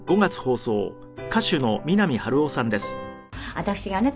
私がね